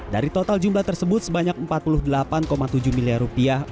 dari total jumlah tersebut sebanyak empat puluh delapan tujuh miliar rupiah